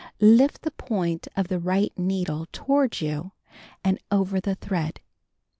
Lift the point of the right needle toward you and over the thread.